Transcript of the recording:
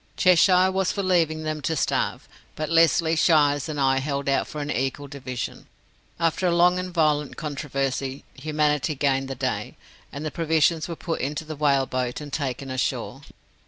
Cheshire was for leaving them to starve, but Lesly, Shiers, and I held out for an equal division. After a long and violent controversy, Humanity gained the day, and the provisions were put into the whale boat, and taken ashore.